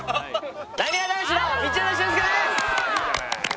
なにわ男子の道枝駿佑です！